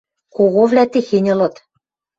Коговлӓ техень ылыт.